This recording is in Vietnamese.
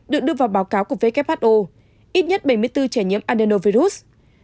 được đưa vào báo cáo của who ít nhất bảy mươi bốn trẻ nhiễm andenovirus